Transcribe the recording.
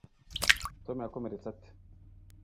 tom yakomeretse ate